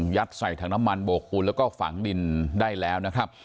ยัดใส่ถังน้ำมันโบกปูนแล้วก็ฝังดินได้แล้วนะครับ